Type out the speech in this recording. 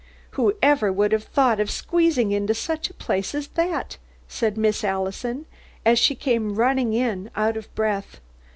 "Who ever would have thought of squeezing into such a place as that?" said Miss Allison, as she came running in, out of breath.